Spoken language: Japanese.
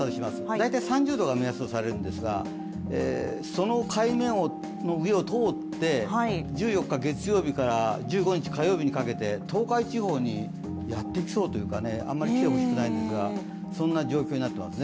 大体３０度が目安とされるんですがその海面の上を通って、１４日月曜日から１５日火曜日にかけて東海地方にやってきそうというかあまり来てほしくないですがそんな状況になっています。